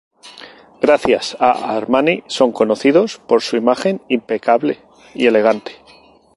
Gracias a Armani, son conocidos por su imagen impecable y elegante.